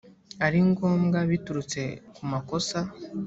ari ngombwa biturutse ku makosa